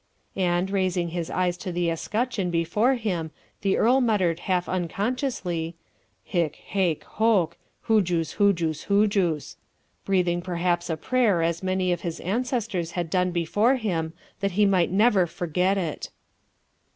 And, raising his eyes to the escutcheon before him, the earl murmured half unconsciously, "Hic, haec, hoc, hujus, hujus, hujus," breathing perhaps a prayer as many of his ancestors had done before him that he might never forget it.